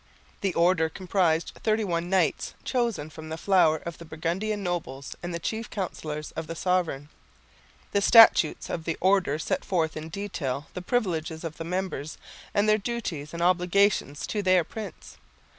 The Order comprised thirty one knights, chosen from the flower of the Burgundian nobles and the chief councillors of the sovereign. The statutes of the Order set forth in detail the privileges of the members, and their duties and obligations to their prince.